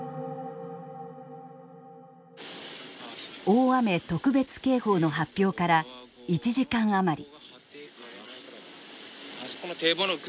大雨特別警報の発表から１時間余り。